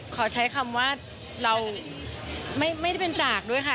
ขอใช้คำว่าเราไม่ได้เป็นจากด้วยค่ะ